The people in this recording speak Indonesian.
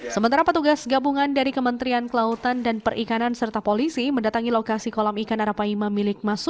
sementara petugas gabungan dari kementerian kelautan dan perikanan serta polisi mendatangi lokasi kolam ikan arapaima